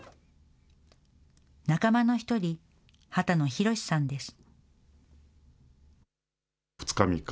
仲間の１人、波多野宏さんです。